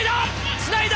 つないだ！